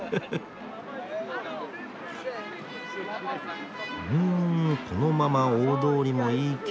うんこのまま大通りもいいけど。